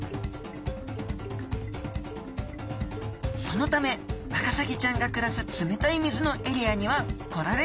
そのためワカサギちゃんが暮らす冷たい水のエリアには来られません。